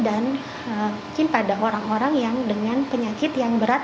dan mungkin pada orang orang yang dengan penyakit yang berat